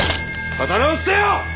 刀を捨てよ！